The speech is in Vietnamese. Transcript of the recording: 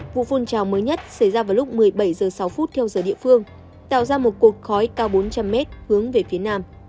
xảy ra vào lúc một mươi bảy h sáu theo giờ địa phương tạo ra một cuộc khói cao bốn trăm linh m hướng về phía nam